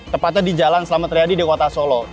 tepatnya di jalan selamat riadi di kota solo